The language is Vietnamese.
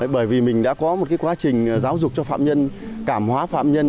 bởi vì mình đã có một quá trình giáo dục cho phạm nhân cảm hóa phạm nhân